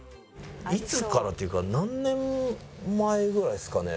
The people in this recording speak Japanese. いつからっていうか何年前ぐらいですかね？